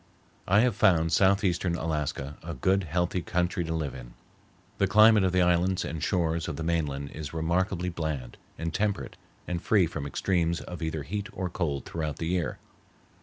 I have found southeastern Alaska a good, healthy country to live in. The climate of the islands and shores of the mainland is remarkably bland and temperate and free from extremes of either heat or cold throughout the year.